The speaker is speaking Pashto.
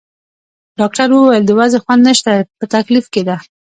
ډاکټر وویل: د وضعې خوند نشته، په تکلیف کې ده.